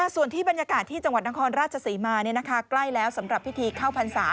ส่วนที่บรรยากาศที่จังหวัดนครราชศรีมาใกล้แล้วสำหรับพิธีเข้าพรรษา